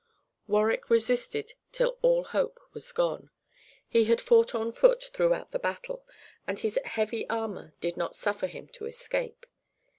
Warwick resisted till all hope was gone. He had fought on foot throughout the battle, and his heavy armor did not suffer him to escape.